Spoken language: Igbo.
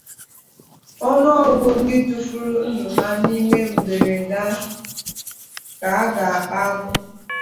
Ọnụ ọgụ ndị tufuru ndụ ha n’ihe mberede a ka ga-agbago.